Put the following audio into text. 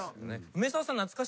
梅沢さん。